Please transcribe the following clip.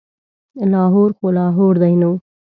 لاهور خو لاهور دی نو.